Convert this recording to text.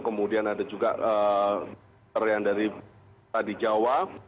kemudian ada juga pelotor yang dari jawa